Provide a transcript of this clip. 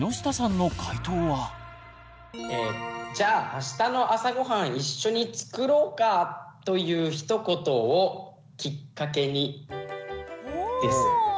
一方「『じゃあ明日の朝ごはん一緒に作ろうか！』というひと言をキッカケに」です。